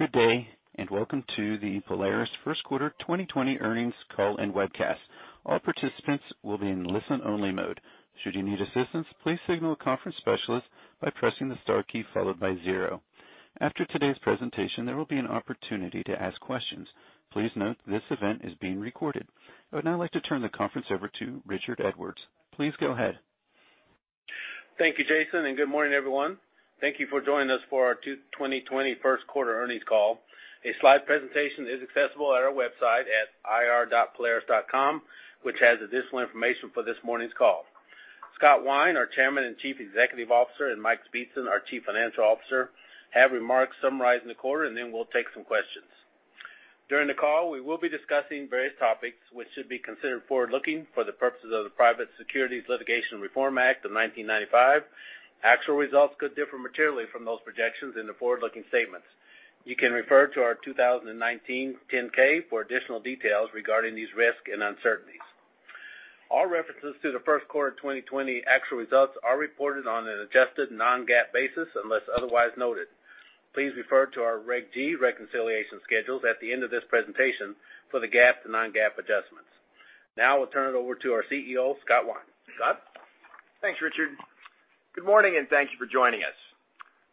Good day, welcome to the Polaris first quarter 2020 earnings call and webcast. All participants will be in listen-only mode. Should you need assistance, please signal the conference specialist by pressing the star key followed by zero. After today's presentation, there will be an opportunity to ask questions. Please note this event is being recorded. I would now like to turn the conference over to Richard Edwards. Please go ahead. Thank you, Jason. Good morning, everyone. Thank you for joining us for our 2020 first quarter earnings call. A slide presentation is accessible at our website at ir.polaris.com, which has additional information for this morning's call. Scott Wine, our Chairman and Chief Executive Officer, and Mike Speetzen, our Chief Financial Officer, have remarks summarizing the quarter, and then we'll take some questions. During the call, we will be discussing various topics which should be considered forward-looking for the purposes of the Private Securities Litigation Reform Act of 1995. Actual results could differ materially from those projections in the forward-looking statements. You can refer to our 2019 10-K for additional details regarding these risks and uncertainties. All references to the first quarter 2020 actual results are reported on an adjusted non-GAAP basis unless otherwise noted. Please refer to our Reg G reconciliation schedules at the end of this presentation for the GAAP to non-GAAP adjustments. I will turn it over to our CEO, Scott Wine. Scott? Thanks, Richard. Good morning, and thank you for joining us.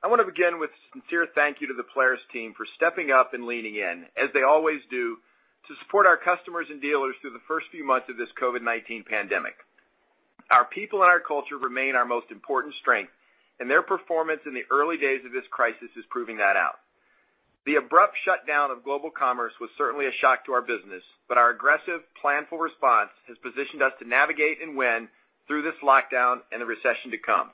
I want to begin with a sincere thank you to the Polaris team for stepping up and leaning in, as they always do, to support our customers and dealers through the first few months of this COVID-19 pandemic. Our people and our culture remain our most important strength, and their performance in the early days of this crisis is proving that out. The abrupt shutdown of global commerce was certainly a shock to our business, our aggressive planned full response has positioned us to navigate and win through this lockdown and the recession to come.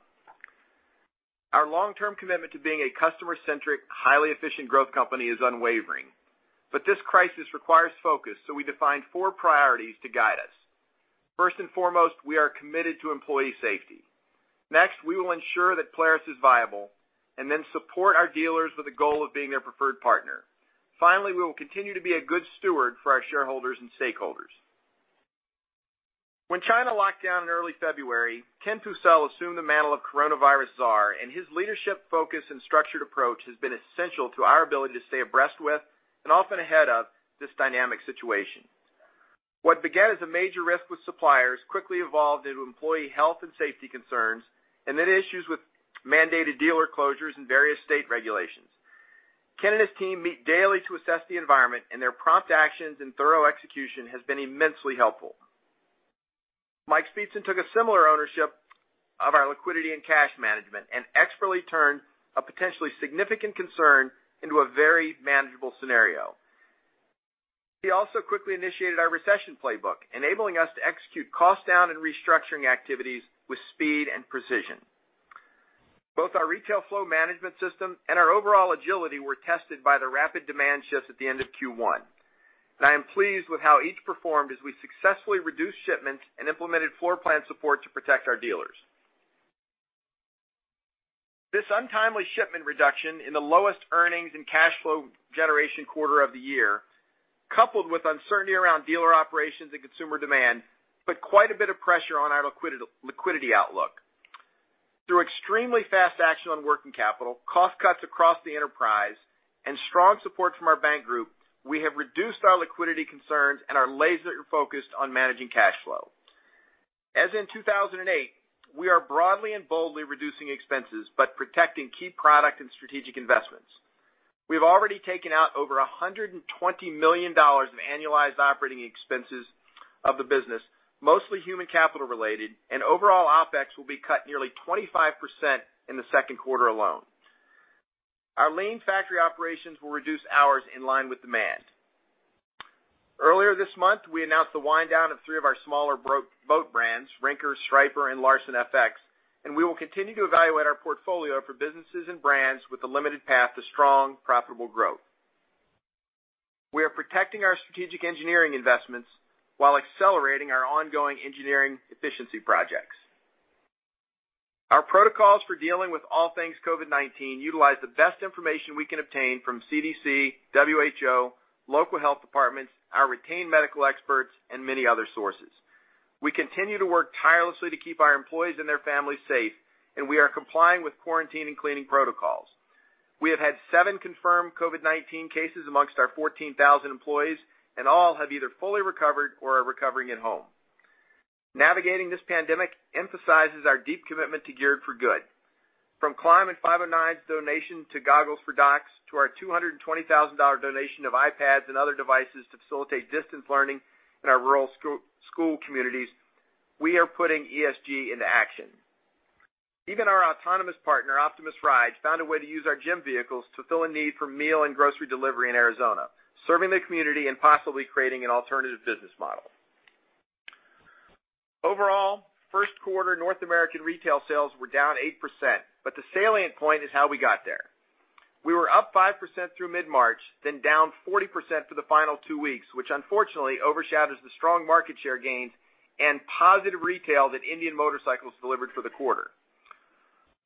Our long-term commitment to being a customer-centric, highly efficient growth company is unwavering. This crisis requires focus, so we defined four priorities to guide us. First and foremost, we are committed to employee safety. Next, we will ensure that Polaris is viable and then support our dealers with the goal of being their preferred partner. Finally, we will continue to be a good steward for our shareholders and stakeholders. When China locked down in early February, Ken Pucel assumed the mantle of coronavirus czar, and his leadership focus and structured approach has been essential to our ability to stay abreast with and often ahead of this dynamic situation. What began as a major risk with suppliers quickly evolved into employee health and safety concerns and then issues with mandated dealer closures and various state regulations. Ken and his team meet daily to assess the environment, and their prompt actions and thorough execution has been immensely helpful. Mike Speetzen took a similar ownership of our liquidity and cash management and expertly turned a potentially significant concern into a very manageable scenario. He also quickly initiated our recession playbook, enabling us to execute cost down and restructuring activities with speed and precision. Both our retail flow management system and our overall agility were tested by the rapid demand shifts at the end of Q1. I am pleased with how each performed as we successfully reduced shipments and implemented floor plan support to protect our dealers. This untimely shipment reduction in the lowest earnings and cash flow generation quarter of the year, coupled with uncertainty around dealer operations and consumer demand, put quite a bit of pressure on our liquidity outlook. Through extremely fast action on working capital, cost cuts across the enterprise, and strong support from our bank group, we have reduced our liquidity concerns and are laser-focused on managing cash flow. As in 2008, we are broadly and boldly reducing expenses but protecting key product and strategic investments. We've already taken out over $120 million of annualized operating expenses of the business, mostly human capital related, and overall OpEx will be cut nearly 25% in the second quarter alone. Our lean factory operations will reduce hours in line with demand. Earlier this month, we announced the wind down of three of our smaller boat brands, Rinker, Striper, and Larson FX, and we will continue to evaluate our portfolio for businesses and brands with a limited path to strong, profitable growth. We are protecting our strategic engineering investments while accelerating our ongoing engineering efficiency projects. Our protocols for dealing with all things COVID-19 utilize the best information we can obtain from CDC, WHO, local health departments, our retained medical experts, and many other sources. We continue to work tirelessly to keep our employees and their families safe, and we are complying with quarantine and cleaning protocols. We have had seven confirmed COVID-19 cases amongst our 14,000 employees, and all have either fully recovered or are recovering at home. Navigating this pandemic emphasizes our deep commitment to Geared for Good. From Klim and 509's donation to Goggles for Docs to our $220,000 donation of iPads and other devices to facilitate distance learning in our rural school communities, we are putting ESG into action. Even our autonomous partner, Optimus Ride, found a way to use our GEM vehicles to fill a need for meal and grocery delivery in Arizona, serving the community and possibly creating an alternative business model. Overall, first quarter North American retail sales were down 8%. The salient point is how we got there. We were up 5% through mid-March, then down 40% for the final two weeks, which unfortunately overshadows the strong market share gains and positive retail that Indian Motorcycle delivered for the quarter.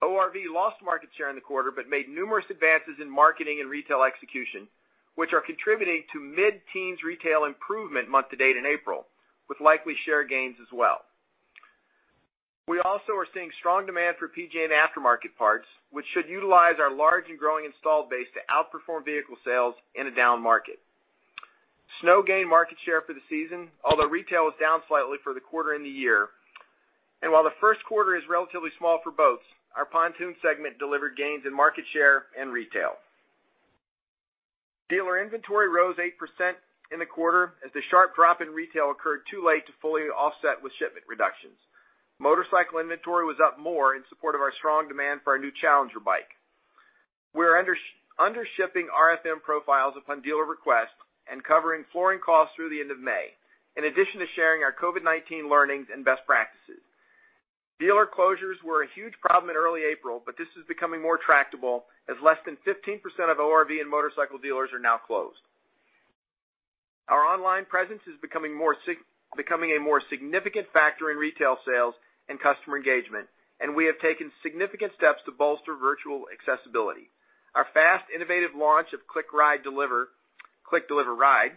ORV lost market share in the quarter but made numerous advances in marketing and retail execution, which are contributing to mid-teens retail improvement month to date in April, with likely share gains as well. We also are seeing strong demand for PG&A and aftermarket parts, which should utilize our large and growing installed base to outperform vehicle sales in a down market. Snow gained market share for the season, although retail was down slightly for the quarter and the year. While the first quarter is relatively small for boats, our pontoon segment delivered gains in market share and retail. Dealer inventory rose 8% in the quarter as the sharp drop in retail occurred too late to fully offset with shipment reductions. Motorcycle inventory was up more in support of our strong demand for our new Challenger bike. We're under shipping RFM profiles upon dealer request and covering flooring costs through the end of May, in addition to sharing our COVID-19 learnings and best practices. This is becoming more tractable as less than 15% of ORV and motorcycle dealers are now closed. Our online presence is becoming a more significant factor in retail sales and customer engagement. We have taken significant steps to bolster virtual accessibility. Our fast, innovative launch of Click. Deliver. Ride.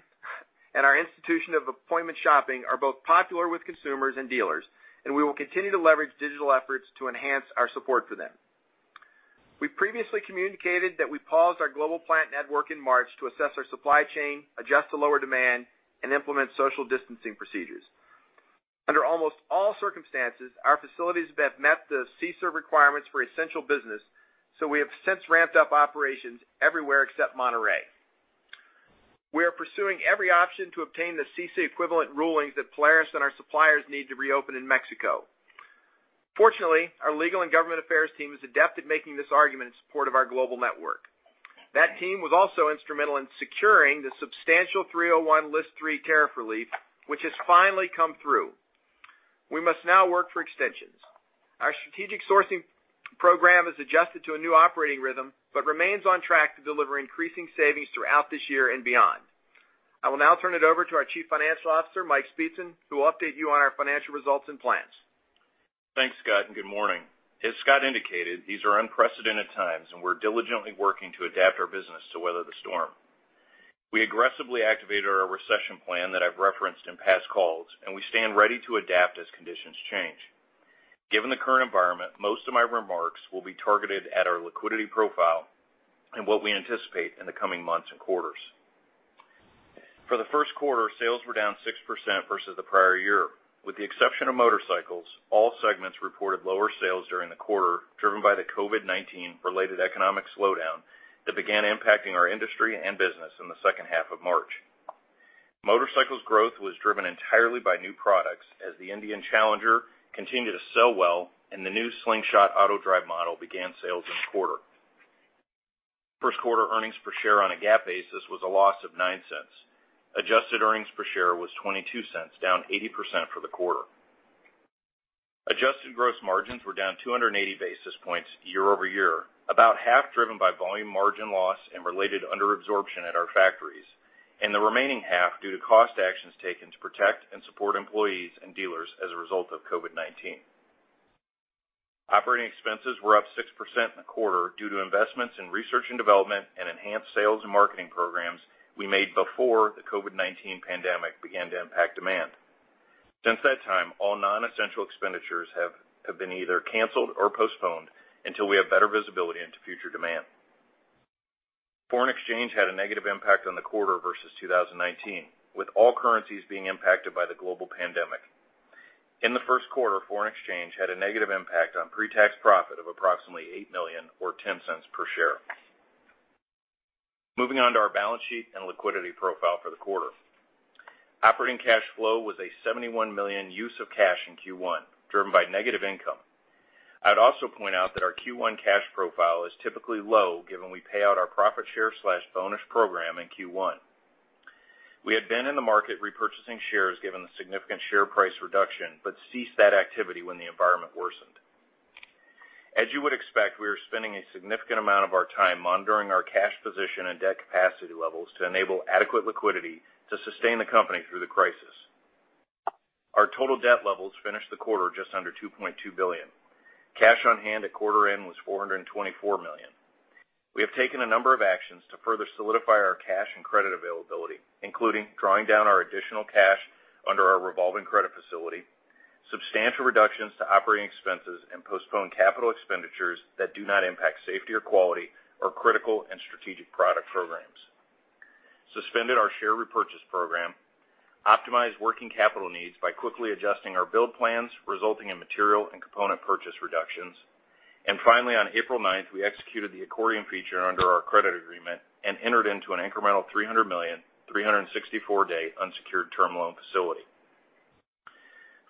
and our institution of appointment shopping are both popular with consumers and dealers, and we will continue to leverage digital efforts to enhance our support for them. We previously communicated that we paused our global plant network in March to assess our supply chain, adjust to lower demand, and implement social distancing procedures. Under almost all circumstances, our facilities have met the CISA requirements for essential business. We have since ramped up operations everywhere except Monterrey. We are pursuing every option to obtain the CC equivalent rulings that Polaris and our suppliers need to reopen in Mexico. Fortunately, our legal and government affairs team is adept at making this argument in support of our global network. That team was also instrumental in securing the substantial 301 List 3 tariff relief, which has finally come through. We must now work for extensions. Our strategic sourcing program has adjusted to a new operating rhythm but remains on track to deliver increasing savings throughout this year and beyond. I will now turn it over to our Chief Financial Officer, Mike Speetzen, who will update you on our financial results and plans. Thanks, Scott, and good morning. As Scott indicated, these are unprecedented times, and we're diligently working to adapt our business to weather the storm. We aggressively activated our recession plan that I've referenced in past calls, and we stand ready to adapt as conditions change. Given the current environment, most of my remarks will be targeted at our liquidity profile and what we anticipate in the coming months and quarters. For the first quarter, sales were down 6% versus the prior year. With the exception of motorcycles, all segments reported lower sales during the quarter, driven by the COVID-19 related economic slowdown that began impacting our industry and business in the second half of March. Motorcycles growth was driven entirely by new products as the Indian Challenger continued to sell well and the new Slingshot AutoDrive model began sales in the quarter. First quarter earnings per share on a GAAP basis was a loss of $0.09. Adjusted earnings per share was $0.22, down 80% for the quarter. Adjusted gross margins were down 280 basis points year-over-year, about half driven by volume margin loss and related under absorption at our factories, and the remaining half due to cost actions taken to protect and support employees and dealers as a result of COVID-19. Operating expenses were up 6% in the quarter due to investments in research and development and enhanced sales and marketing programs we made before the COVID-19 pandemic began to impact demand. Since that time, all non-essential expenditures have been either canceled or postponed until we have better visibility into future demand. Foreign exchange had a negative impact on the quarter versus 2019, with all currencies being impacted by the global pandemic. In the first quarter, foreign exchange had a negative impact on pre-tax profit of approximately $8 million or $0.10 per share. Moving on to our balance sheet and liquidity profile for the quarter. Operating cash flow was a $71 million use of cash in Q1, driven by negative income. I'd also point out that our Q1 cash profile is typically low given we pay out our profit share/bonus program in Q1. We had been in the market repurchasing shares given the significant share price reduction, but ceased that activity when the environment worsened. As you would expect, we are spending a significant amount of our time monitoring our cash position and debt capacity levels to enable adequate liquidity to sustain the company through the crisis. Our total debt levels finished the quarter just under $2.2 billion. Cash on hand at quarter end was $424 million. We have taken a number of actions to further solidify our cash and credit availability, including drawing down our additional cash under our revolving credit facility, substantial reductions to operating expenses and postponed capital expenditures that do not impact safety or quality or critical and strategic product programs. Suspended our share repurchase program, optimized working capital needs by quickly adjusting our build plans, resulting in material and component purchase reductions. Finally, on April 9th, we executed the accordion feature under our credit agreement and entered into an incremental $300 million, 364-day unsecured term loan facility.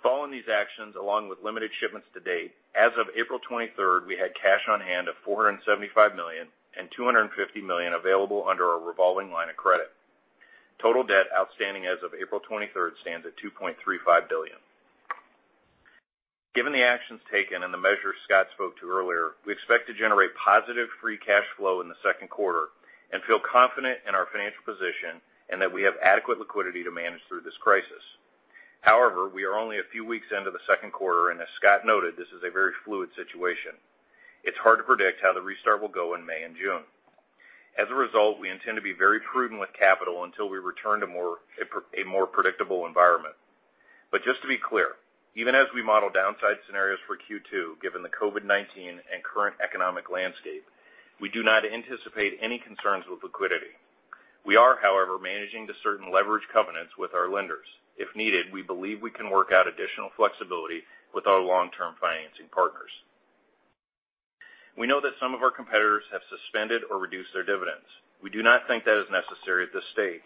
Following these actions, along with limited shipments to date, as of April 23rd, we had cash on hand of $475 million and $250 million available under our revolving line of credit. Total debt outstanding as of April 23rd stands at $2.35 billion. Given the actions taken and the measures Scott spoke to earlier, we expect to generate positive free cash flow in the second quarter and feel confident in our financial position and that we have adequate liquidity to manage through this crisis. However, we are only a few weeks into the second quarter, and as Scott noted, this is a very fluid situation. It's hard to predict how the restart will go in May and June. As a result, we intend to be very prudent with capital until we return to a more predictable environment. Just to be clear, even as we model downside scenarios for Q2, given the COVID-19 and current economic landscape, we do not anticipate any concerns with liquidity. We are, however, managing the certain leverage covenants with our lenders. If needed, we believe we can work out additional flexibility with our long-term financing partners. We know that some of our competitors have suspended or reduced their dividends. We do not think that is necessary at this stage.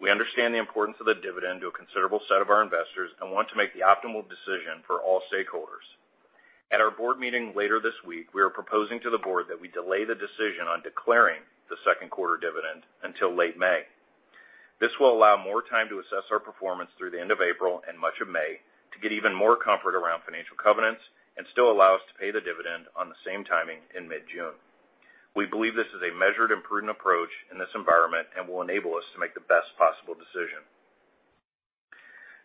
We understand the importance of the dividend to a considerable set of our investors and want to make the optimal decision for all stakeholders. At our board meeting later this week, we are proposing to the board that we delay the decision on declaring the second quarter dividend until late May. This will allow more time to assess our performance through the end of April and much of May to get even more comfort around financial covenants and still allow us to pay the dividend on the same timing in mid-June. We believe this is a measured and prudent approach in this environment and will enable us to make the best possible decision.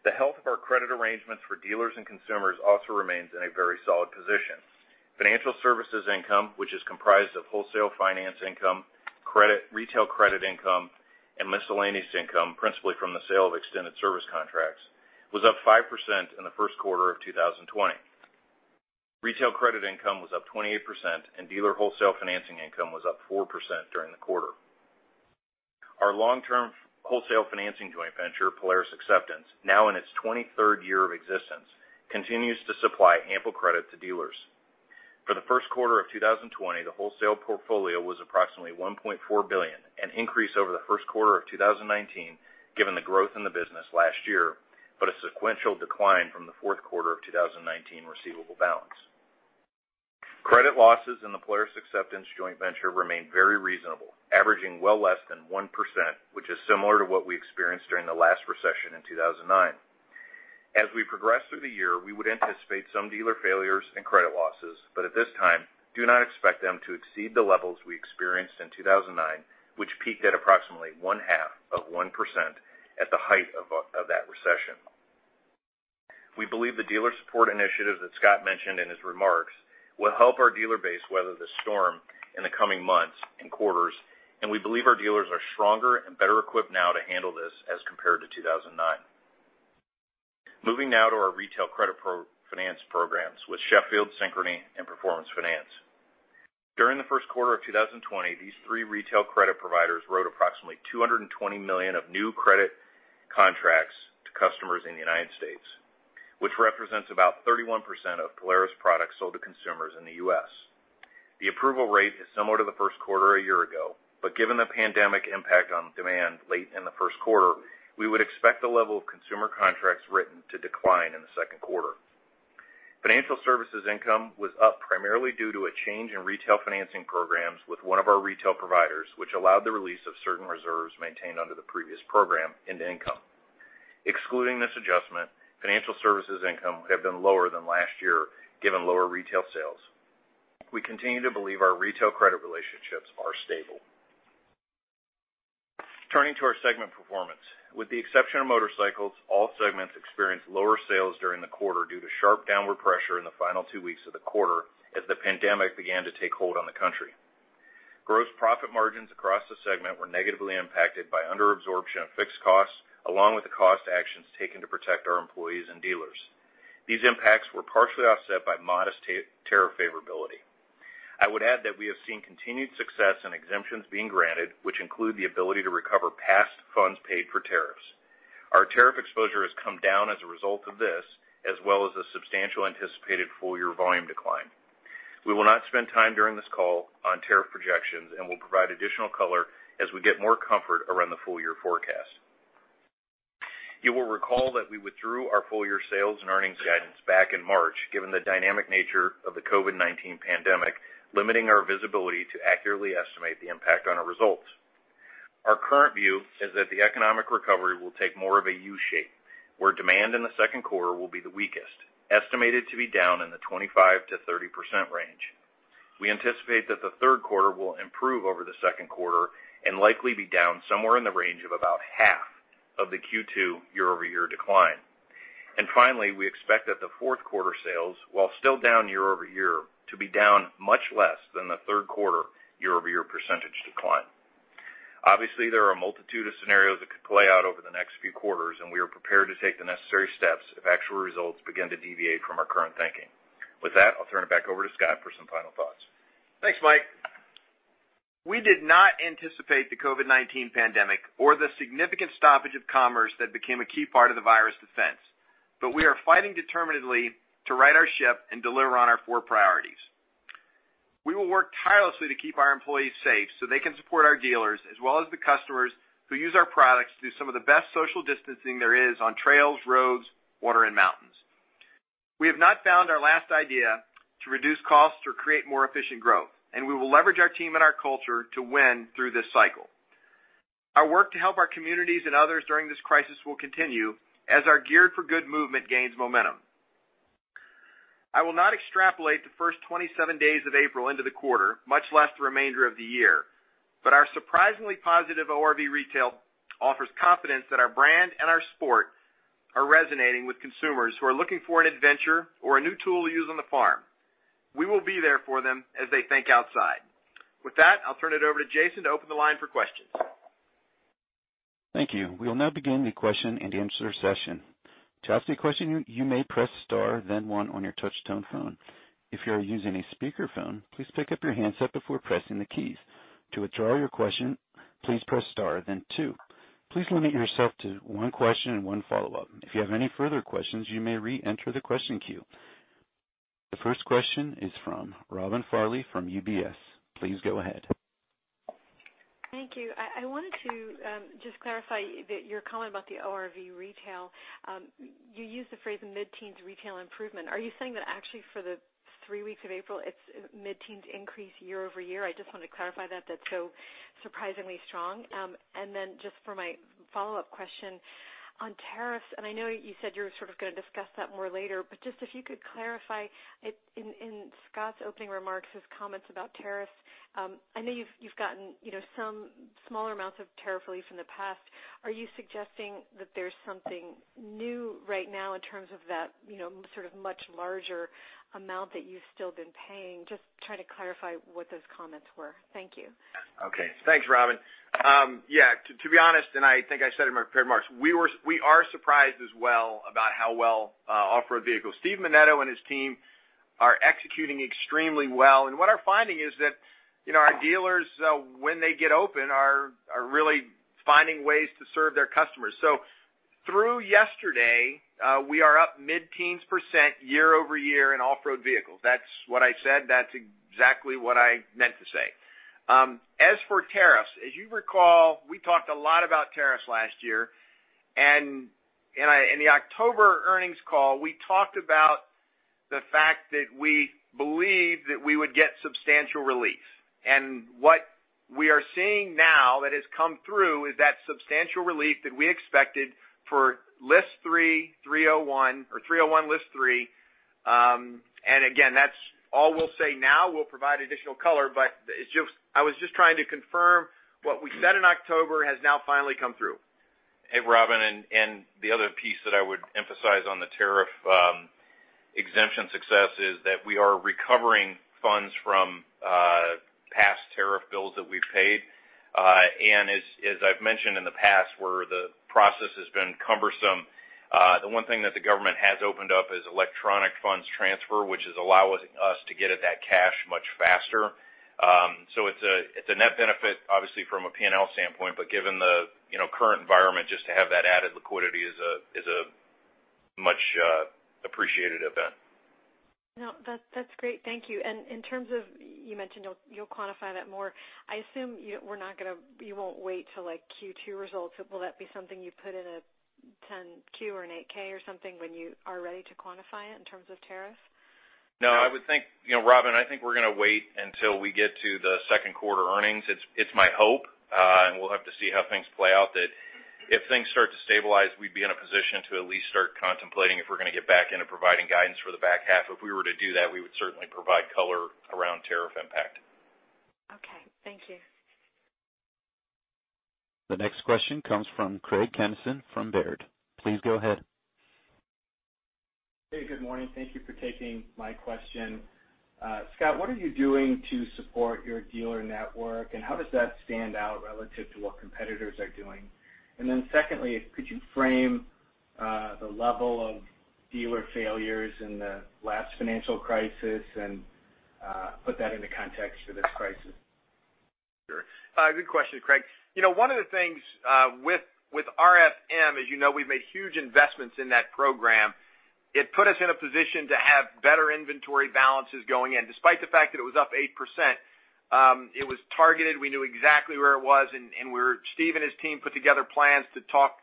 The health of our credit arrangements for dealers and consumers also remains in a very solid position. Financial services income, which is comprised of wholesale finance income, retail credit income, and miscellaneous income, principally from the sale of extended service contracts, was up 5% in the first quarter of 2020. Retail credit income was up 28%, and dealer wholesale financing income was up 4% during the quarter. Our long-term wholesale financing joint venture, Polaris Acceptance, now in its 23rd year of existence, continues to supply ample credit to dealers. For the first quarter of 2020, the wholesale portfolio was approximately $1.4 billion, an increase over the first quarter of 2019, given the growth in the business last year, but a sequential decline from the fourth quarter of 2019 receivable balance. Credit losses in the Polaris Acceptance joint venture remain very reasonable, averaging well less than 1%, which is similar to what we experienced during the last recession in 2009. As we progress through the year, we would anticipate some dealer failures and credit losses, but at this time, do not expect them to exceed the levels we experienced in 2009, which peaked at approximately 1/2 of 1% at the height of that recession. We believe the dealer support initiatives that Scott mentioned in his remarks will help our dealer base weather the storm in the coming months and quarters, and we believe our dealers are stronger and better equipped now to handle this as compared to 2009. Moving now to our retail credit finance programs with Sheffield, Synchrony, and Performance Finance. During the first quarter of 2020, these three retail credit providers wrote approximately $220 million of new credit contracts to customers in the United States, which represents about 31% of Polaris products sold to consumers in the U.S. The approval rate is similar to the first quarter a year ago, given the pandemic impact on demand late in the first quarter, we would expect the level of consumer contracts written to decline in the second quarter. Financial services income was up primarily due to a change in retail financing programs with one of our retail providers, which allowed the release of certain reserves maintained under the previous program into income. Excluding this adjustment, financial services income would have been lower than last year, given lower retail sales. We continue to believe our retail credit relationships are stable. Turning to our segment performance. With the exception of motorcycles, all segments experienced lower sales during the quarter due to sharp downward pressure in the final two weeks of the quarter as the pandemic began to take hold on the country. Gross profit margins across the segment were negatively impacted by under-absorption of fixed costs, along with the cost actions taken to protect our employees and dealers. These impacts were partially offset by modest tariff favorability. I would add that we have seen continued success in exemptions being granted, which include the ability to recover past funds paid for tariffs. Our tariff exposure has come down as a result of this, as well as a substantial anticipated full-year volume decline. We will not spend time during this call on tariff projections and will provide additional color as we get more comfort around the full-year forecast. You will recall that we withdrew our full-year sales and earnings guidance back in March, given the dynamic nature of the COVID-19 pandemic, limiting our visibility to accurately estimate the impact on our results. Our current view is that the economic recovery will take more of a U shape, where demand in the second quarter will be the weakest, estimated to be down in the 25%-30% range. We anticipate that the third quarter will improve over the second quarter and likely be down somewhere in the range of about half of the Q2 year-over-year decline. Finally, we expect that the fourth quarter sales, while still down year-over-year, to be down much less than the third quarter year-over-year percentage decline. Obviously, there are a multitude of scenarios that could play out over the next few quarters, and we are prepared to take the necessary steps if actual results begin to deviate from our current thinking. With that, I'll turn it back over to Scott for some final thoughts. Thanks, Mike. We did not anticipate the COVID-19 pandemic or the significant stoppage of commerce that became a key part of the virus defense. We are fighting determinedly to right our ship and deliver on our four priorities. We will work tirelessly to keep our employees safe so they can support our dealers, as well as the customers who use our products to do some of the best social distancing there is on trails, roads, water, and mountains. We have not found our last idea to reduce costs or create more efficient growth, we will leverage our team and our culture to win through this cycle. Our work to help our communities and others during this crisis will continue as our Geared for Good movement gains momentum. I will not extrapolate the first 27 days of April into the quarter, much less the remainder of the year, but our surprisingly positive ORV retail offers confidence that our brand and our sport are resonating with consumers who are looking for an adventure or a new tool to use on the farm. We will be there for them as they think outside. With that, I'll turn it over to Richard to open the line for questions. Thank you. We'll now begin the question-and-answer session. To ask a question, you may press star, then one on your touch-tone phone. If you are using a speakerphone, please pick up your handset before pressing the keys. To withdraw your question, please press star, then two. Please limit yourself to one question and one follow-up. If you have any further questions, you may reenter the question queue. The first question is from Robin Farley from UBS. Please go ahead. Thank you. I wanted to just clarify that your comment about the ORV retail. You used the phrase mid-teens retail improvement. Are you saying that actually for the three weeks of April, it's mid-teens increase year-over-year? I just wanted to clarify that's so surprisingly strong. Just for my follow-up question on tariffs, and I know you said you were sort of going to discuss that more later, but just if you could clarify. In Scott's opening remarks, his comments about tariffs, I know you've gotten some smaller amounts of tariff relief in the past. Are you suggesting that there's something new right now in terms of that sort of much larger amount that you've still been paying? Just trying to clarify what those comments were. Thank you. Okay. Thanks, Robin. To be honest, and I think I said in my prepared remarks, we are surprised as well about how well off-road vehicles. Steve Menneto and his team are executing extremely well. What we're finding is that our dealers, when they get open, are really finding ways to serve their customers. Through yesterday, we are up mid-teens% year-over-year in off-road vehicles. That's what I said. That's exactly what I meant to say. As for tariffs, as you recall, we talked a lot about tariffs last year. In the October earnings call, we talked about the fact that we believed that we would get substantial relief. What we are seeing now that has come through is that substantial relief that we expected for 301 List 3. Again, that's all we'll say now. We'll provide additional color, but I was just trying to confirm what we said in October has now finally come through. Hey, Robin, the other piece that I would emphasize on the tariff exemption success is that we are recovering funds from past tariff bills that we've paid. As I've mentioned in the past, where the process has been cumbersome, the one thing that the government has opened up is electronic funds transfer, which is allowing us to get at that cash much faster. It's a net benefit, obviously, from a P&L standpoint, but given the current environment, just to have that added liquidity is a much appreciated event. No, that's great. Thank you. In terms of, you mentioned you'll quantify that more. I assume you won't wait till like Q2 results. Will that be something you put in a 10-Q or an 8-K or something when you are ready to quantify it in terms of tariffs? No, Robin, I think we're going to wait until we get to the second quarter earnings. It's my hope, and we'll have to see how things play out, that if things start to stabilize, we'd be in a position to at least start contemplating if we're going to get back into providing guidance for the back half. If we were to do that, we would certainly provide color around tariff impact. Okay. Thank you. The next question comes from Craig Kennison from Baird. Please go ahead. Hey, good morning. Thank you for taking my question. Scott, what are you doing to support your dealer network, and how does that stand out relative to what competitors are doing? Secondly, could you frame the level of dealer failures in the last financial crisis and put that into context for this crisis? Sure. Good question, Craig. One of the things with RFM, as you know, we've made huge investments in that program. It put us in a position to have better inventory balances going in. Despite the fact that it was up 8%, it was targeted. We knew exactly where it was. Steve and his team put together plans to talk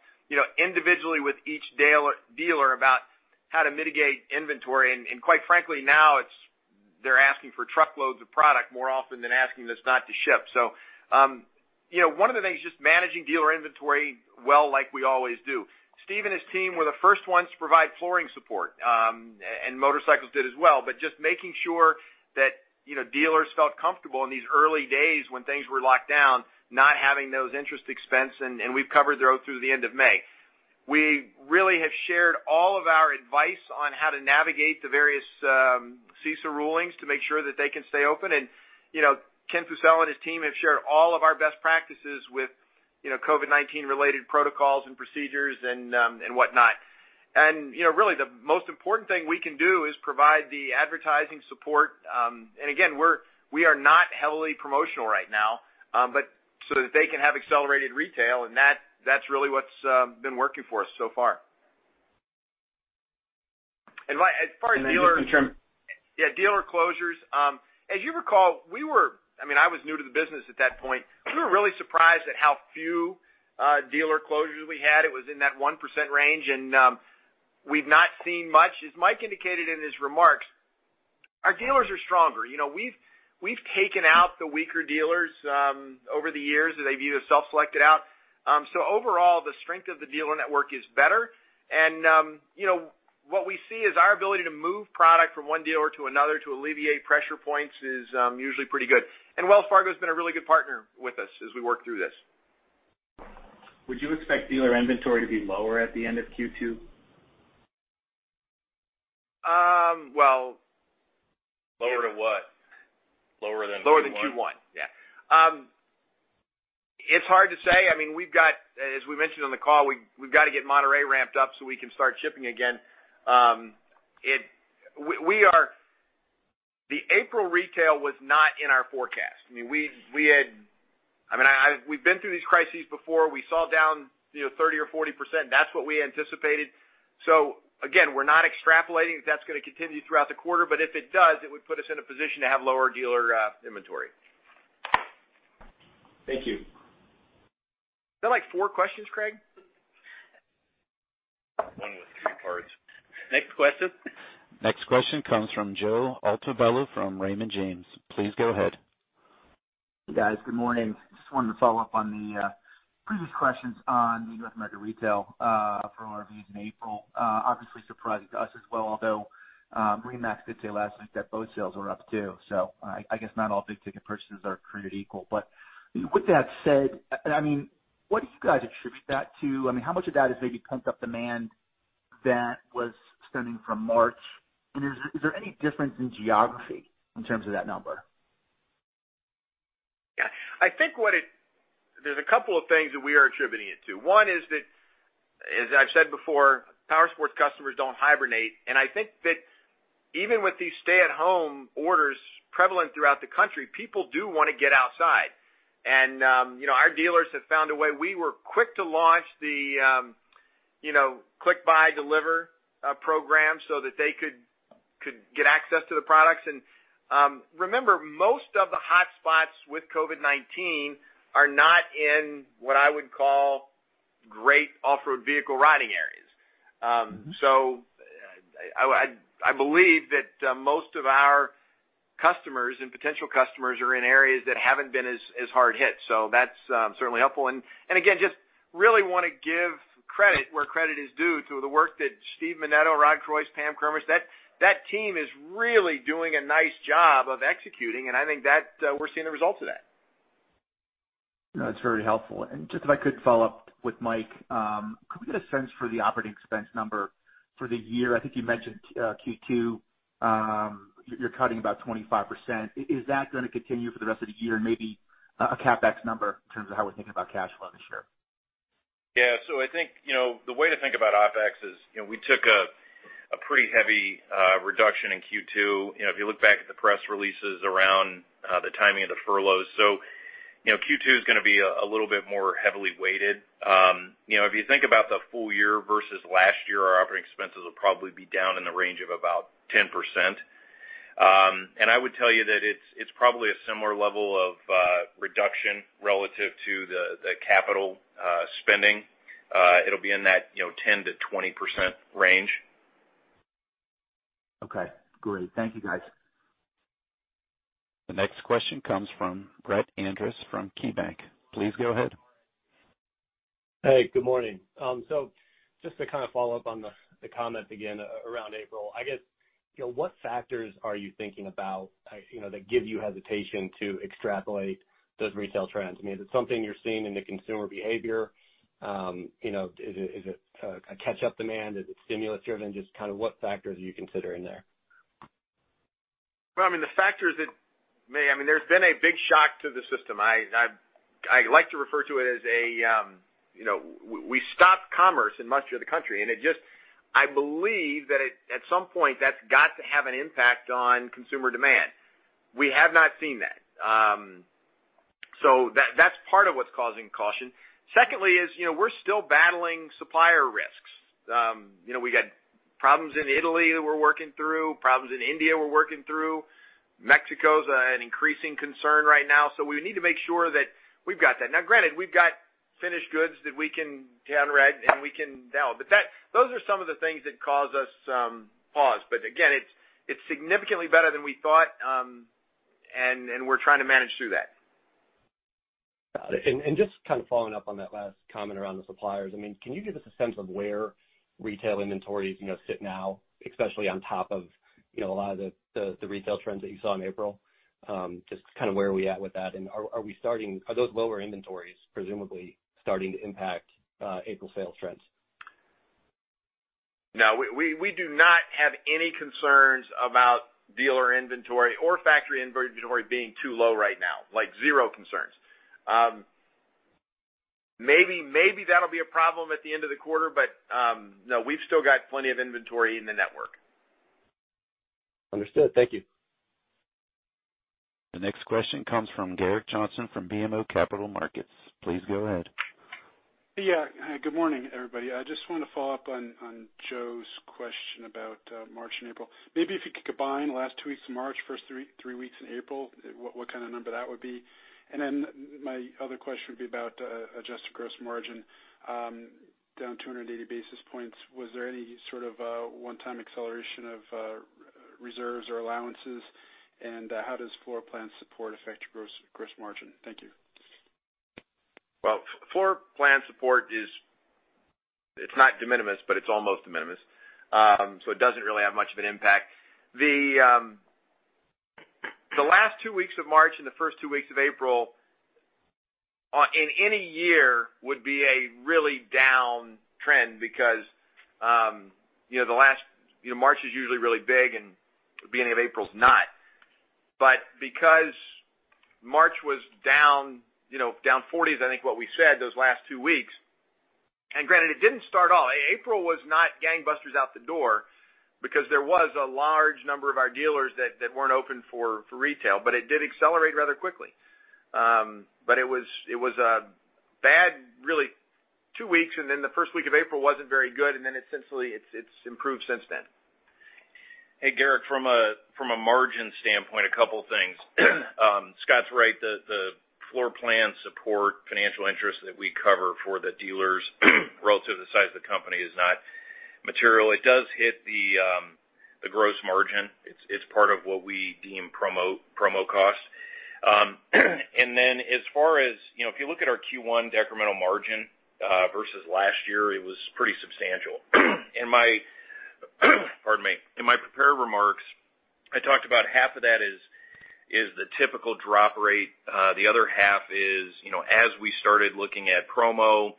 individually with each dealer about how to mitigate inventory. Quite frankly, now they're asking for truckloads of product more often than asking us not to ship. One of the things, just managing dealer inventory well like we always do. Steve and his team were the first ones to provide flooring support, and motorcycles did as well. Just making sure that dealers felt comfortable in these early days when things were locked down, not having those interest expense, and we've covered through the end of May. We really have shared all of our advice on how to navigate the various CISA rulings to make sure that they can stay open. Ken Pucel and his team have shared all of our best practices with COVID-19 related protocols and procedures and whatnot. Really, the most important thing we can do is provide the advertising support. Again, we are not heavily promotional right now, but so that they can have accelerated retail, and that's really what's been working for us so far. And then just in term- Yeah, dealer closures. As you recall, I was new to the business at that point. We were really surprised at how few dealer closures we had. It was in that 1% range, and we've not seen much. As Mike indicated in his remarks, our dealers are stronger. We've taken out the weaker dealers over the years as they've either self-selected out. Overall, the strength of the dealer network is better. What we see is our ability to move product from one dealer to another to alleviate pressure points is usually pretty good. Wells Fargo's been a really good partner with us as we work through this. Would you expect dealer inventory to be lower at the end of Q2? Lower to what? Lower than Q1? Lower than Q1. Yeah. It's hard to say. As we mentioned on the call, we've got to get Monterrey ramped up so we can start shipping again. The April retail was not in our forecast. We've been through these crises before. We saw down 30% or 40%. That's what we anticipated. Again, we're not extrapolating if that's going to continue throughout the quarter, but if it does, it would put us in a position to have lower dealer inventory. Thank you. Is that, like, four questions, Craig? One with three parts. Next question. Next question comes from Joe Altobello from Raymond James. Please go ahead. Hey, guys. Good morning. Just wanted to follow up on the previous questions on the U.S. market retail for off-road vehicles in April. Obviously surprising to us as well, although MarineMax did say last week that boat sales were up, too. I guess not all big-ticket purchases are created equal. With that said, what do you guys attribute that to? How much of that is maybe pent-up demand that was stemming from March? Is there any difference in geography in terms of that number? There's a couple of things that we are attributing it to. One is that, as I've said before, powersports customers don't hibernate. I think that even with these stay-at-home orders prevalent throughout the country, people do want to get outside. Our dealers have found a way. We were quick to launch the Click. Deliver. Ride. program so that they could get access to the products. Remember, most of the hot spots with COVID-19 are not in what I would call great off-road vehicle riding areas. I believe that most of our customers and potential customers are in areas that haven't been as hard hit. That's certainly helpful. Again, just really want to give credit where credit is due to the work that Steve Menneto, Rod Krois, Pam Kermisch. That team is really doing a nice job of executing, and I think we're seeing the results of that. No, that's very helpful. Just if I could follow up with Mike, could we get a sense for the operating expense number for the year? I think you mentioned Q2, you're cutting about 25%. Is that going to continue for the rest of the year? Maybe a CapEx number in terms of how we're thinking about cash flow this year. Yeah. I think, the way to think about OpEx is, we took a pretty heavy reduction in Q2. If you look back at the press releases around the timing of the furloughs. Q2's going to be a little bit more heavily weighted. If you think about the full year versus last year, our operating expenses will probably be down in the range of about 10%. I would tell you that it's probably a similar level of reduction relative to the capital spending. It'll be in that 10%-20% range. Okay, great. Thank you, guys. The next question comes from Brett Andress from KeyBanc. Please go ahead. Hey, good morning. Just to kind of follow up on the comment again around April. I guess what factors are you thinking about that give you hesitation to extrapolate those retail trends? I mean, is it something you're seeing in the consumer behavior? Is it a catch-up demand? Is it stimulus driven? Just kind of what factors are you considering there? Well, there's been a big shock to the system. I like to refer to it as we stopped commerce in much of the country, and I believe that at some point, that's got to have an impact on consumer demand. We have not seen that. That's part of what's causing caution. Secondly is, we're still battling supplier risks. We got problems in Italy that we're working through, problems in India we're working through. Mexico's an increasing concern right now. We need to make sure that we've got that. Now granted, we've got finished goods that we can down rig and we can delve. Those are some of the things that cause us pause. Again, it's significantly better than we thought, and we're trying to manage through that. Got it. Just kind of following up on that last comment around the suppliers. Can you give us a sense of where retail inventories sit now, especially on top of a lot of the retail trends that you saw in April? Just kind of where are we at with that, and are those lower inventories presumably starting to impact April sales trends? No, we do not have any concerns about dealer inventory or factory inventory being too low right now. Like, zero concerns. Maybe that'll be a problem at the end of the quarter, but no, we've still got plenty of inventory in the network. Understood. Thank you. The next question comes from Gerrick Johnson from BMO Capital Markets. Please go ahead. Good morning, everybody. I just want to follow up on Joe's question about March and April. Maybe if you could combine the last two weeks of March, first three weeks in April, what kind of number that would be? My other question would be about adjusted gross margin down 280 basis points. Was there any sort of a one-time acceleration of reserves or allowances? How does floor plan support affect your gross margin? Thank you. Floor plan support is not de minimis, it's almost de minimis. It doesn't really have much of an impact. The last two weeks of March and the first two weeks of April in any year would be a really down trend because March is usually really big and beginning of April's not. Because March was down 40s%, I think what we said those last two weeks, and granted, it didn't start all. April was not gangbusters out the door because there was a large number of our dealers that weren't open for retail, it did accelerate rather quickly. It was a bad really two weeks, the first week of April wasn't very good, essentially it's improved since then. Hey, Gerrick, from a margin standpoint, a couple things. Scott's right, the floor plan support financial interest that we cover for the dealers relative to the size of the company is not material. It does hit the gross margin. It's part of what we deem promo costs. As far as if you look at our Q1 decremental margin versus last year, it was pretty substantial. Pardon me. In my prepared remarks, I talked about half of that is the typical drop rate. The other half is, as we started looking at promo,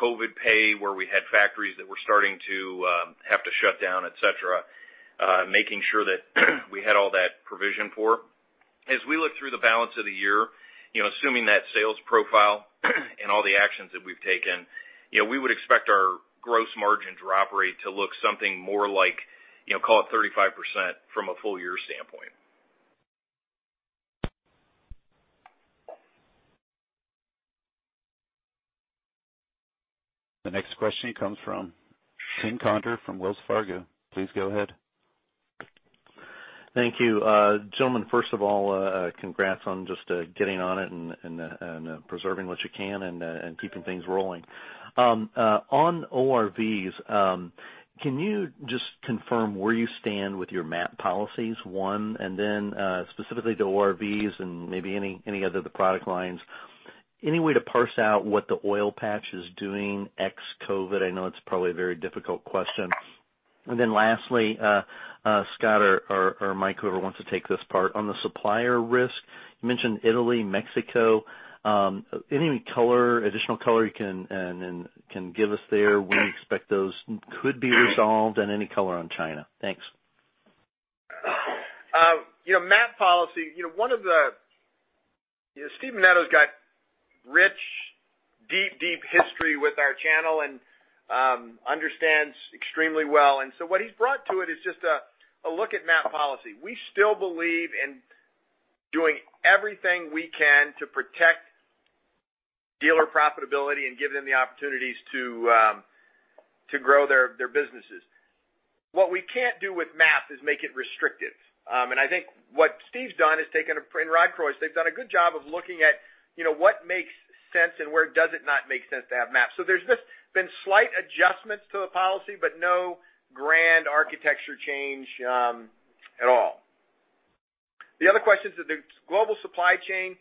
COVID pay, where we had factories that were starting to have to shut down, et cetera, making sure that we had all that provisioned for. As we look through the balance of the year, assuming that sales profile and all the actions that we've taken, we would expect our gross margin drop rate to look something more like call it 35% from a full year standpoint. The next question comes from Tim Conder from Wells Fargo. Please go ahead. Thank you. Gentlemen, first of all, congrats on just getting on it and preserving what you can and keeping things rolling. On ORVs, can you just confirm where you stand with your MAP policies, one, and then specifically to ORVs and maybe any other of the product lines? Any way to parse out what the oil patch is doing ex COVID-19? I know it's probably a very difficult question. Lastly, Scott or Mike, whoever wants to take this part. On the supplier risk, you mentioned Italy, Mexico. Any additional color you can give us there? When do you expect those could be resolved and any color on China? Thanks. MAP policy. Steve Menneto's got rich, deep history with our channel and understands extremely well. What he's brought to it is just a look at MAP policy. We still believe in doing everything we can to protect dealer profitability and give them the opportunities to grow their businesses. What we can't do with MAP is make it restrictive. I think what Steve's done is taken, and Rod Krois, they've done a good job of looking at what makes sense and where does it not make sense to have MAP. There's just been slight adjustments to the policy, but no grand architecture change at all. The other question is the global supply chain.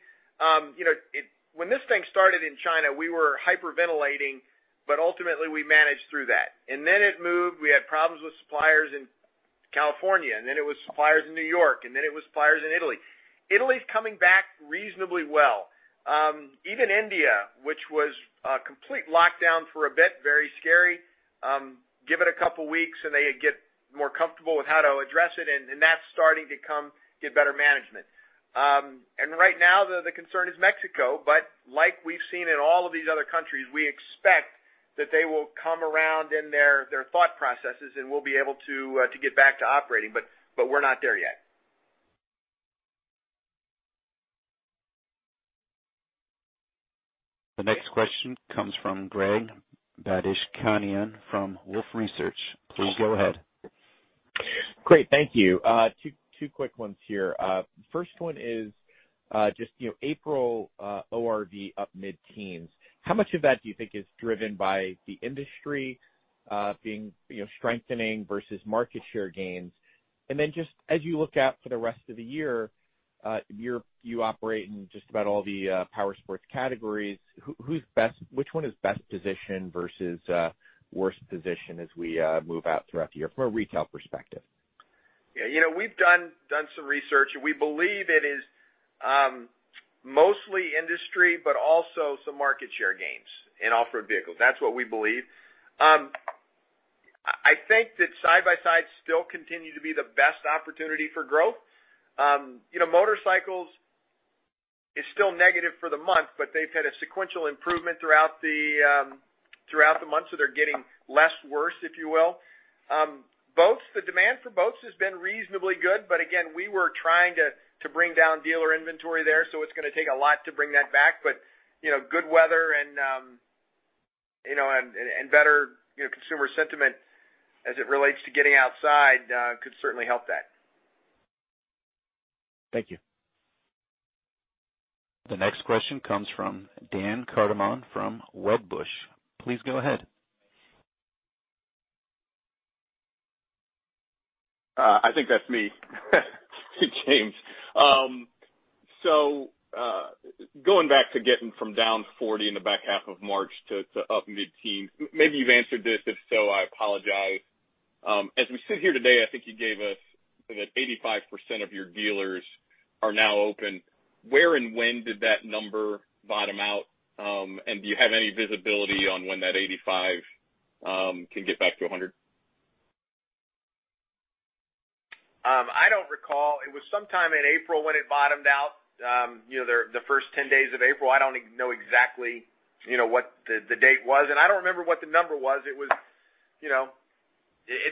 When this thing started in China, we were hyperventilating, but ultimately, we managed through that. It moved. We had problems with suppliers in California, it was suppliers in New York, it was suppliers in Italy. Italy's coming back reasonably well. Even India, which was a complete lockdown for a bit, very scary. Give it a couple of weeks and they get more comfortable with how to address it, that's starting to get better management. Right now, the concern is Mexico, like we've seen in all of these other countries, we expect that they will come around in their thought processes, we'll be able to get back to operating. We're not there yet. The next question comes from Greg Badishkanian from Wolfe Research. Please go ahead. Great. Thank you. Two quick ones here. First one is just April ORV up mid-teens. How much of that do you think is driven by the industry strengthening versus market share gains? Then just as you look out for the rest of the year, you operate in just about all the powersports categories. Which one is best positioned versus worst position as we move out throughout the year from a retail perspective? We've done some research and we believe it is mostly industry, but also some market share gains in off-road vehicles. That's what we believe. I think that side-by-sides still continue to be the best opportunity for growth. Motorcycles is still negative for the month, but they've had a sequential improvement throughout the months, so they're getting less worse, if you will. Boats, the demand for boats has been reasonably good, but again, we were trying to bring down dealer inventory there, so it's going to take a lot to bring that back. Good weather and better consumer sentiment as it relates to getting outside could certainly help that. Thank you. The next question comes from James Hardiman from Wedbush. Please go ahead. I think that's me James. Going back to getting from down 40 in the back half of March to up mid-teens, maybe you've answered this, if so, I apologize. As we sit here today, I think you gave us that 85% of your dealers are now open. Where and when did that number bottom out? Do you have any visibility on when that 85 can get back to 100? I don't recall. It was sometime in April when it bottomed out, the first 10 days of April. I don't know exactly what the date was, and I don't remember what the number was. It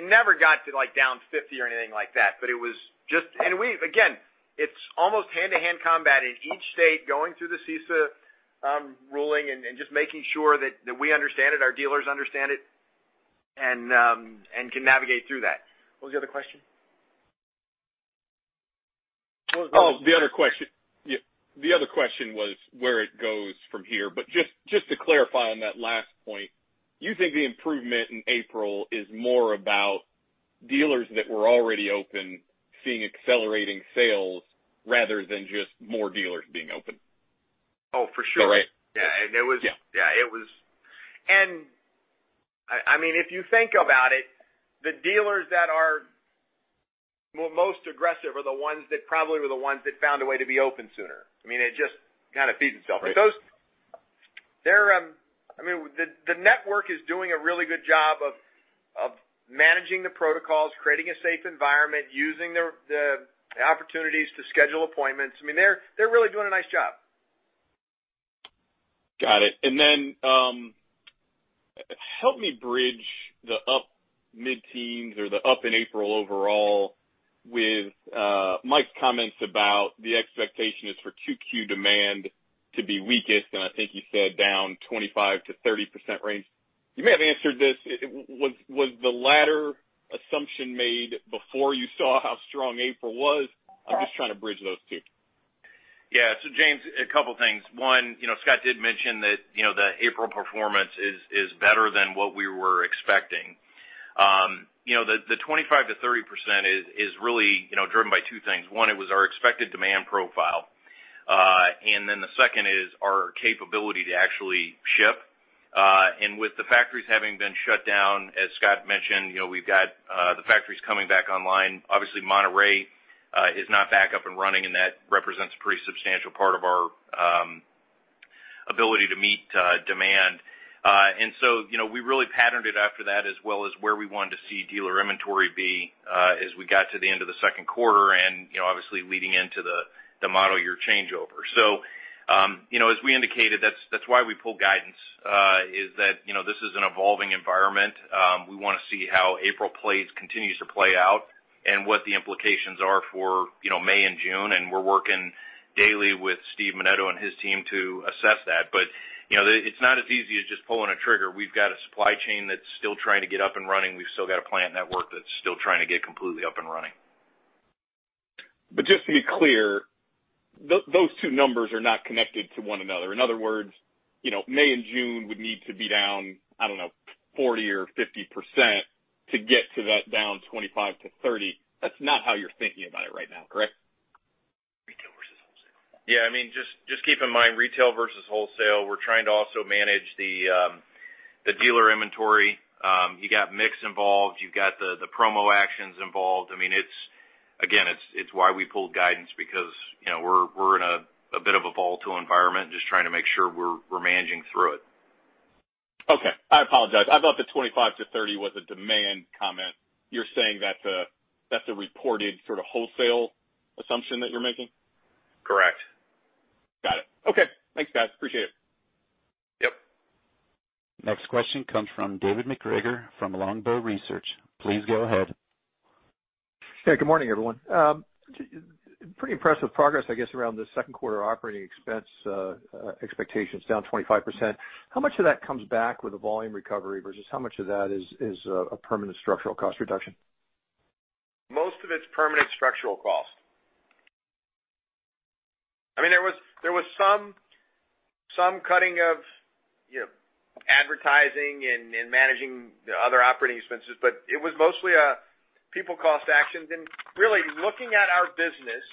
never got to down 50 or anything like that. Again, it's almost hand-to-hand combat in each state, going through the CISA ruling and just making sure that we understand it, our dealers understand it, and can navigate through that. What was the other question? The other question was where it goes from here. Just to clarify on that last point, you think the improvement in April is more about dealers that were already open seeing accelerating sales rather than just more dealers being open? Oh, for sure. Is that right? If you think about it, the dealers that are most aggressive are the ones that probably were the ones that found a way to be open sooner. It just kind of feeds itself. Right. The network is doing a really good job of managing the protocols, creating a safe environment, using the opportunities to schedule appointments. They're really doing a nice job. Got it. Help me bridge the up mid-teens or the up in April overall with Mike's comments about the expectation is for 2Q demand to be weakest, and I think you said down 25%-30% range. You may have answered this. Was the latter assumption made before you saw how strong April was? I'm just trying to bridge those two. James, a couple things. One, Scott did mention that the April performance is better than what we were expecting. The 25%-30% is really driven by two things. One, it was our expected demand profile. The second is our capability to actually ship. With the factories having been shut down, as Scott mentioned, we've got the factories coming back online. Obviously, Monterrey is not back up and running, and that represents a pretty substantial part of our ability to meet demand. We really patterned it after that as well as where we wanted to see dealer inventory be as we got to the end of the second quarter and obviously leading into the model year changeover. As we indicated, that's why we pulled guidance, is that this is an evolving environment. We want to see how April plays, continues to play out, and what the implications are for May and June, and we're working daily with Steve Menneto and his team to assess that. It's not as easy as just pulling a trigger. We've got a supply chain that's still trying to get up and running. We've still got a plant network that's still trying to get completely up and running. Just to be clear, those two numbers are not connected to one another. In other words, May and June would need to be down, I don't know, 40% or 50% to get to that down 25%-30%. That's not how you're thinking about it right now, correct? Retail versus wholesale. Yeah. Just keep in mind retail versus wholesale. We're trying to also manage the dealer inventory. You got mix involved. You've got the promo actions involved. Again, it's why we pulled guidance because we're in a bit of a volatile environment, just trying to make sure we're managing through it. Okay. I apologize. I thought the 25%-30% was a demand comment. You're saying that's a reported sort of wholesale assumption that you're making? Correct. Got it. Okay. Thanks, guys. Appreciate it. Yep. Next question comes from David MacGregor from Longbow Research. Please go ahead. Yeah, good morning, everyone. Pretty impressive progress, I guess, around the second quarter operating expense expectations down 25%. How much of that comes back with the volume recovery versus how much of that is a permanent structural cost reduction? Most of it's permanent structural cost. There was some cutting of advertising and managing other OpEx, it was mostly people cost actions. Really looking at our business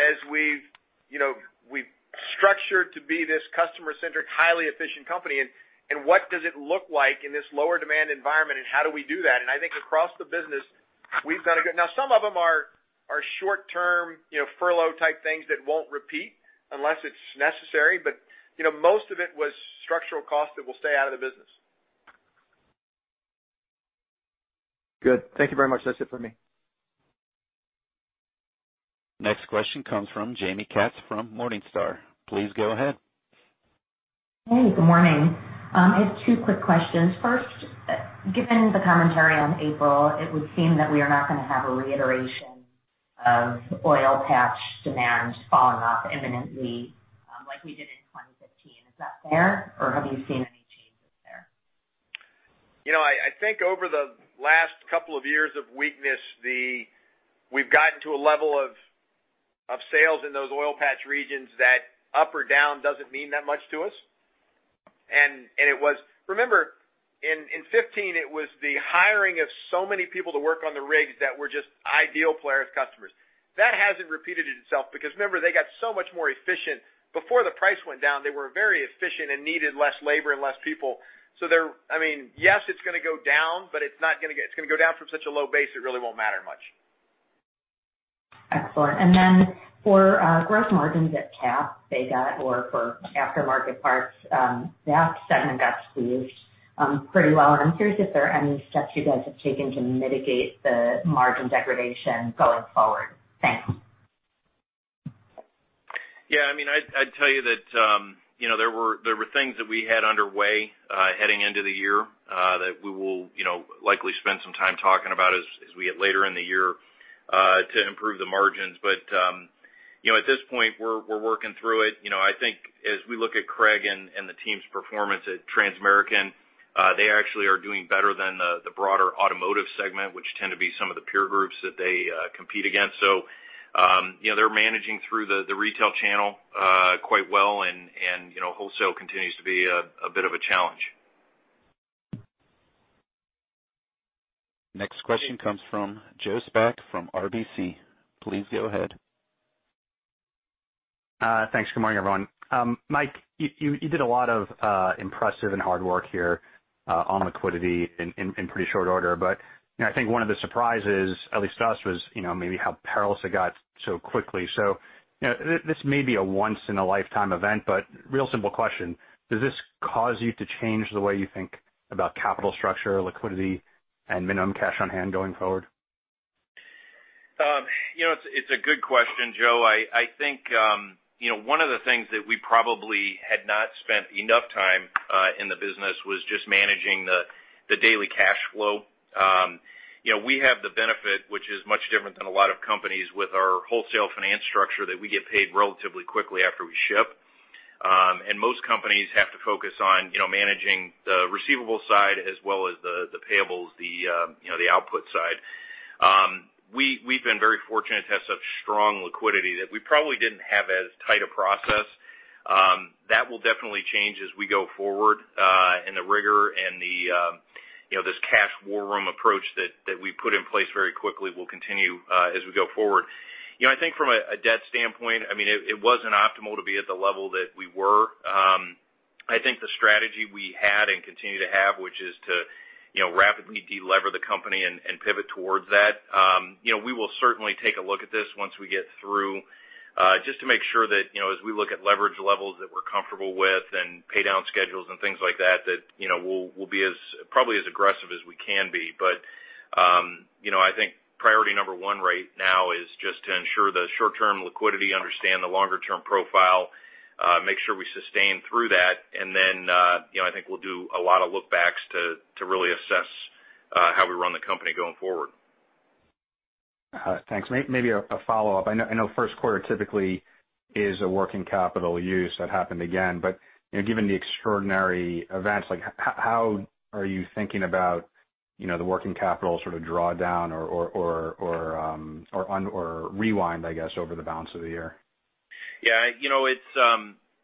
as we've structured to be this customer-centric, highly efficient company, and what does it look like in this lower demand environment, and how do we do that? I think across the business, we've done. Some of them are short-term furlough type things that won't repeat unless it's necessary. Most of it was structural cost that will stay out of the business. Good. Thank you very much. That's it for me. Next question comes from Jaime Katz from Morningstar. Please go ahead. Hey, good morning. I have two quick questions. First, given the commentary on April, it would seem that we are not going to have a reiteration of oil patch demand falling off imminently, like we did in 2015. Is that fair, or have you seen any changes there? I think over the last couple of years of weakness, we've gotten to a level of sales in those oil patch regions that up or down doesn't mean that much to us. It was, remember, in 2015, it was the hiring of so many people to work on the rigs that were just ideal Polaris customers. That hasn't repeated itself because remember, they got so much more efficient. Before the price went down, they were very efficient and needed less labor and less people. Yes, it's going to go down, but it's going to go down from such a low base, it really won't matter much. Excellent. Then for gross margins at TAP, for aftermarket parts, that segment got squeezed pretty well. I'm curious if there are any steps you guys have taken to mitigate the margin degradation going forward. Thanks. I'd tell you that there were things that we had underway heading into the year that we will likely spend some time talking about as we get later in the year to improve the margins. At this point, we're working through it. I think as we look at Craig and the team's performance at Transamerican, they actually are doing better than the broader automotive segment, which tend to be some of the peer groups that they compete against. They're managing through the retail channel quite well and wholesale continues to be a bit of a challenge. Next question comes from Joseph Spak from RBC. Please go ahead. Thanks. Good morning, everyone. Mike, you did a lot of impressive and hard work here on liquidity in pretty short order. I think one of the surprises, at least to us, was maybe how perilous it got so quickly. This may be a once in a lifetime event, real simple question. Does this cause you to change the way you think about capital structure, liquidity, and minimum cash on hand going forward? It's a good question, Joe. I think one of the things that we probably had not spent enough time in the business was just managing the daily cash flow. We have the benefit, which is much different than a lot of companies with our wholesale finance structure, that we get paid relatively quickly after we ship. Most companies have to focus on managing the receivable side as well as the payables, the output side. We've been very fortunate to have such strong liquidity that we probably didn't have as tight a process. That will definitely change as we go forward, and the rigor and this cash war room approach that we put in place very quickly will continue as we go forward. I think from a debt standpoint, it wasn't optimal to be at the level that we were. I think the strategy we had and continue to have, which is to rapidly de-lever the company and pivot towards that. We will certainly take a look at this once we get through, just to make sure that as we look at leverage levels that we're comfortable with and pay down schedules and things like that we'll be probably as aggressive as we can be. I think priority number one right now is just to ensure the short-term liquidity, understand the longer-term profile, make sure we sustain through that. I think we'll do a lot of lookbacks to really assess how we run the company going forward. Thanks. Maybe a follow-up. I know first quarter typically is a working capital use. That happened again. Given the extraordinary events, how are you thinking about the working capital sort of drawdown or rewind, I guess, over the balance of the year?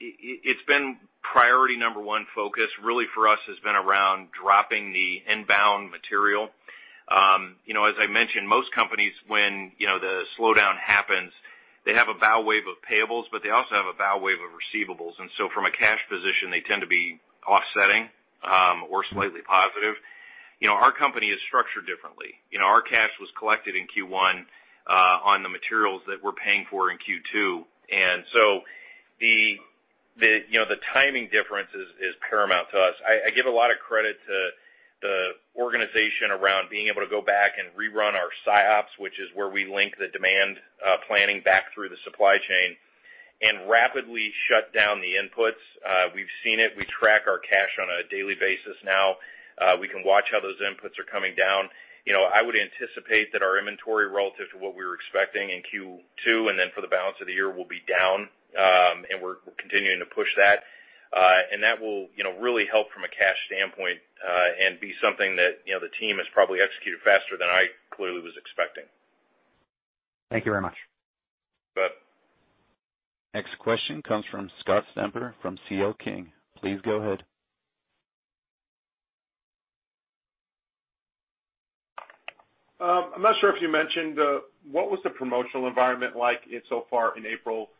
It's been priority number 1 focus really for us has been around dropping the inbound material. As I mentioned, most companies when the slowdown happens, they have a bow wave of payables, but they also have a bow wave of receivables. From a cash position, they tend to be offsetting or slightly positive. Our company is structured differently. Our cash was collected in Q1 on the materials that we're paying for in Q2, and so the timing difference is paramount to us. I give a lot of credit to the organization around being able to go back and rerun our S&OP, which is where we link the demand planning back through the supply chain and rapidly shut down the inputs. We've seen it. We track our cash on a daily basis now. We can watch how those inputs are coming down. I would anticipate that our inventory relative to what we were expecting in Q2 and then for the balance of the year will be down, and we're continuing to push that. That will really help from a cash standpoint and be something that the team has probably executed faster than I clearly was expecting. Thank you very much. You bet. Next question comes from Scott Stember from CL King. Please go ahead. I'm not sure if you mentioned, what was the promotional environment like so far in April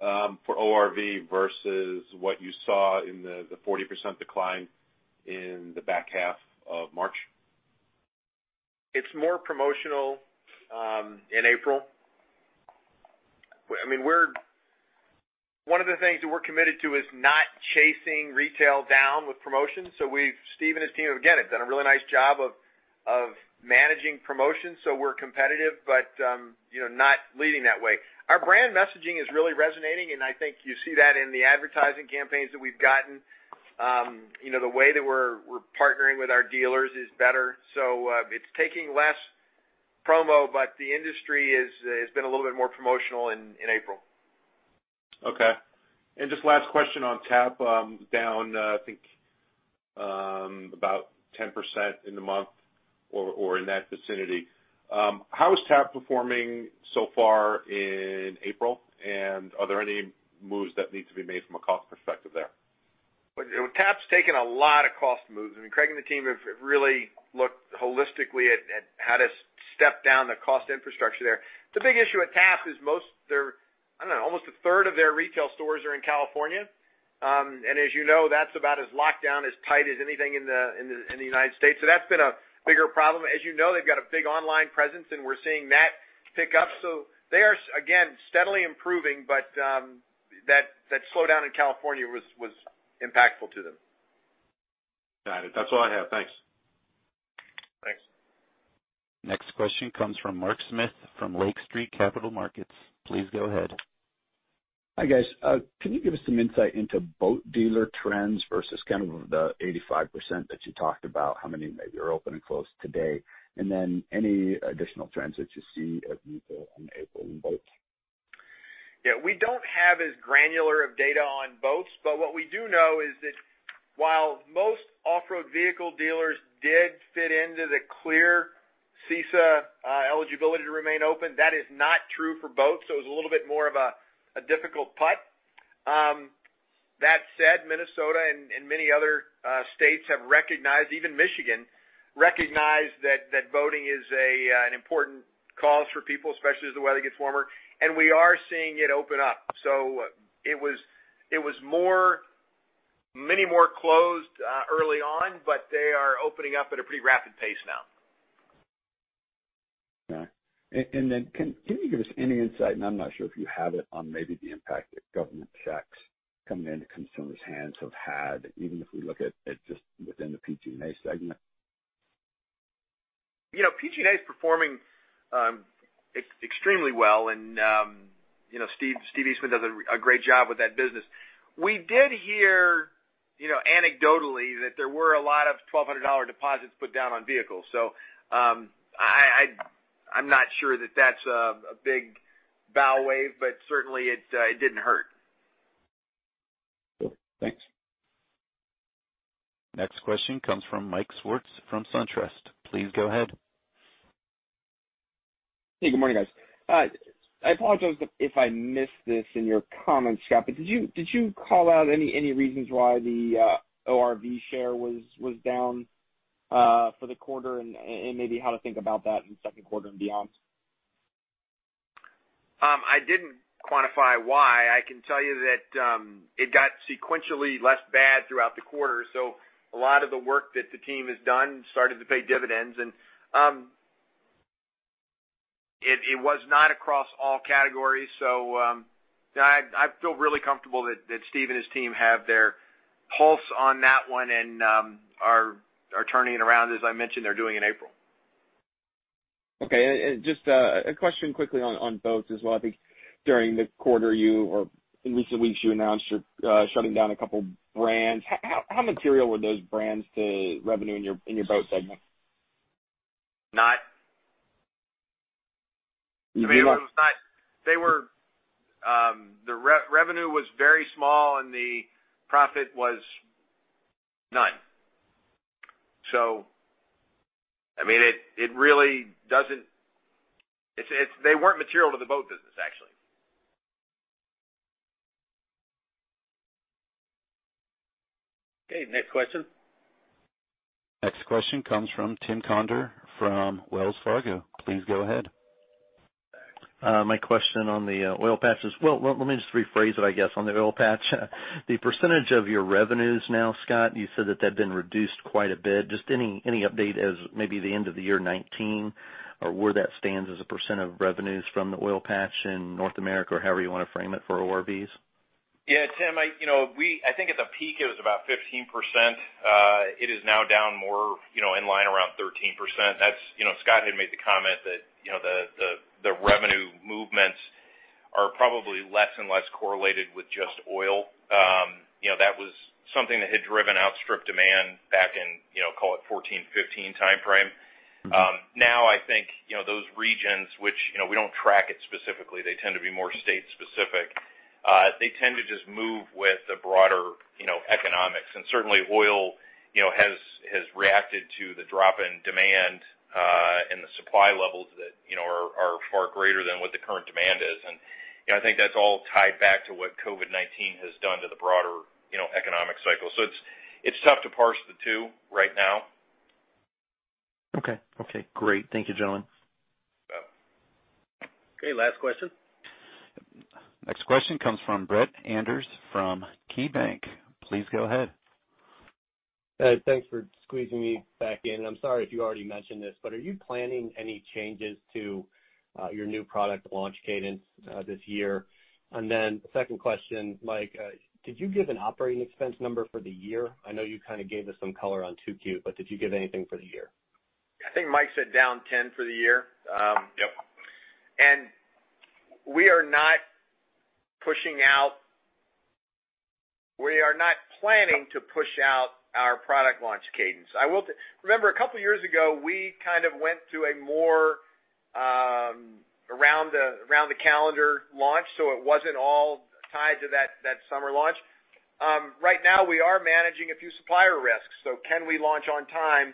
for ORV versus what you saw in the 40% decline in the back half of March? It's more promotional in April. One of the things that we're committed to is not chasing retail down with promotions. Steve and his team, again, have done a really nice job of managing promotions so we're competitive, but not leading that way. Our brand messaging is really resonating, and I think you see that in the advertising campaigns that we've gotten. The way that we're partnering with our dealers is better. It's taking less promo, but the industry has been a little bit more promotional in April. Okay. Just last question on TAP down. About 10% in the month or in that vicinity. How is TAP performing so far in April? Are there any moves that need to be made from a cost perspective there? TAP's taken a lot of cost moves. Craig and the team have really looked holistically at how to step down the cost infrastructure there. The big issue with TAP is most their, I don't know, almost a third of their retail stores are in California. As you know, that's about as locked down, as tight as anything in the United States. That's been a bigger problem. As you know, they've got a big online presence and we're seeing that pick up. They are, again, steadily improving, but that slowdown in California was impactful to them. Got it. That's all I have. Thanks. Thanks. Next question comes from Mark Smith from Lake Street Capital Markets. Please go ahead. Hi, guys. Can you give us some insight into boat dealer trends versus kind of the 85% that you talked about how many maybe are open and closed today? Any additional trends that you see as we go in April in boats? We don't have as granular of data on boats. What we do know is that while most off-road vehicle dealers did fit into the clear CISA eligibility to remain open, that is not true for boats. It was a little bit more of a difficult putt. That said, Minnesota and many other states have recognized, even Michigan, recognized that boating is an important cause for people, especially as the weather gets warmer, and we are seeing it open up. It was many more closed early on, but they are opening up at a pretty rapid pace now. Okay. Then can you give us any insight, and I'm not sure if you have it, on maybe the impact that government checks coming into consumers' hands have had, even if we look at it just within the PG&A segment? PG&A is performing extremely well and Steve does a great job with that business. We did hear anecdotally that there were a lot of $1,200 deposits put down on vehicles. I'm not sure that that's a big bow wave, but certainly it didn't hurt. Cool. Thanks. Next question comes from Mike Swartz from SunTrust. Please go ahead. Hey, good morning, guys. I apologize if I missed this in your comments, Scott, did you call out any reasons why the ORV share was down for the quarter and maybe how to think about that in second quarter and beyond? I didn't quantify why. I can tell you that it got sequentially less bad throughout the quarter. A lot of the work that the team has done started to pay dividends. It was not across all categories, so I feel really comfortable that Steve and his team have their pulse on that one and are turning it around, as I mentioned they're doing in April. Okay. Just a question quickly on boats as well. I think during the quarter, you or in recent weeks, you announced you're shutting down a couple brands. How material were those brands to revenue in your boat segment? To me, the revenue was very small and the profit was none. I mean, they weren't material to the boat business, actually. Okay, next question. Next question comes from Tim Conder from Wells Fargo. Please go ahead. My question on the oil patch is, well, let me just rephrase it, I guess, on the oil patch. The percentage of your revenues now, Scott, you said that they've been reduced quite a bit. Just any update as maybe the end of the year 2019 or where that stands as a percent of revenues from the oil patch in North America, or however you want to frame it for ORVs? Yeah, Tim. I think at the peak it was about 15%. It is now down more in line around 13%. Scott had made the comment that the revenue movements are probably less and less correlated with just oil. That was something that had driven outstrip demand back in, call it 2014, 2015 timeframe. I think those regions which we don't track it specifically, they tend to be more state specific. They tend to just move with the broader economics. Certainly oil has reacted to the drop in demand and the supply levels that are far greater than what the current demand is. I think that's all tied back to what COVID-19 has done to the broader economic cycle. It's tough to parse the two right now. Okay. Great. Thank you, gentlemen. You bet. Okay, last question. Next question comes from Brett Andress from KeyBanc. Please go ahead. Hey, thanks for squeezing me back in. I'm sorry if you already mentioned this, are you planning any changes to your new product launch cadence this year? Second question, Mike, did you give an operating expense number for the year? I know you kind of gave us some color on 2Q, did you give anything for the year? I think Mike said down 10 for the year. Yep. We are not planning to push out our product launch cadence. Remember a couple of years ago, we kind of went to a more around the calendar launch, so it wasn't all tied to that summer launch. Right now, we are managing a few supplier risks. Can we launch on time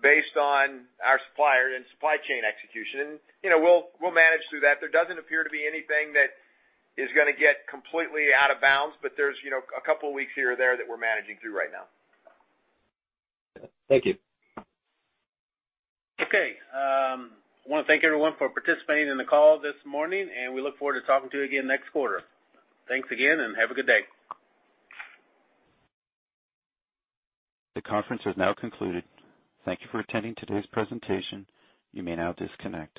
based on our supplier and supply chain execution? We'll manage through that. There doesn't appear to be anything that is going to get completely out of bounds, but there's a couple of weeks here or there that we're managing through right now. Thank you. I want to thank everyone for participating in the call this morning, and we look forward to talking to you again next quarter. Thanks again, and have a good day. The conference has now concluded. Thank you for attending today's presentation. You may now disconnect.